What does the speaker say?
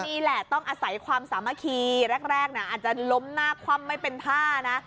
นี่แหละต้องอาศัยความสามัคคีแรกนะอาจจะล้มหน้าคว่ำไม่เป็นท่านะ